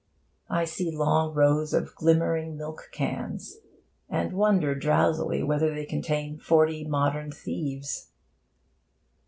I see long rows of glimmering milk cans, and wonder drowsily whether they contain forty modern thieves.